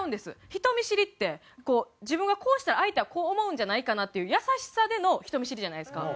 人見知りって自分がこうしたら相手はこう思うんじゃないかなっていう優しさでの人見知りじゃないですか。